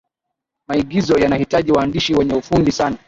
maigizo yanahitaji waandishi wenye ufundi sana